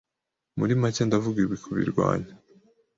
Muri make ndavuga ibi kubirwanya